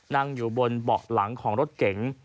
นั่งอยู่บนเบาะหลังของรถเก๋ง